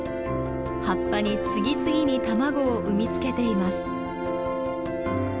葉っぱに次々に卵を産み付けています。